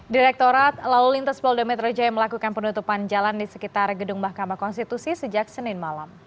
direktorat lalu lintas polda metro jaya melakukan penutupan jalan di sekitar gedung mahkamah konstitusi sejak senin malam